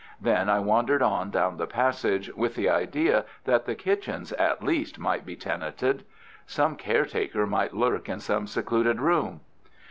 Then I wandered on down the passage, with the idea that the kitchens, at least, might be tenanted. Some caretaker might lurk in some secluded room.